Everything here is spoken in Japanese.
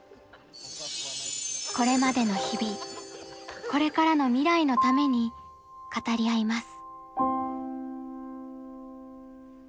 これまでの日々これからの未来のために語り合います。